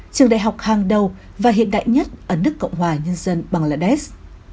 trường đại học hàng đầu và hiện đại nhất ở nước cộng hòa nhân dân bangladesh